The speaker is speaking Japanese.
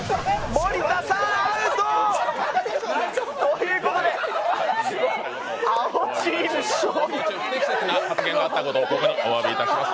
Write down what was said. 森田さん、アウト！ということで、青チーム勝利放送中、不適切な発言があったことをおわび申し上げます。